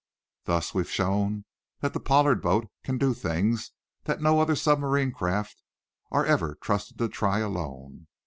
Thus we've shown that the Pollard boat can do things that no other submarine craft are ever trusted to try alone.